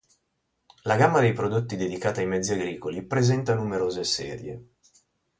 La gamma dei prodotti dedicata ai mezzi agricoli presenta numerose serie.